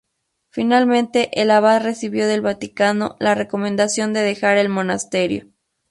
Finalmente el abad recibió del Vaticano la "recomendación" de dejar el monasterio.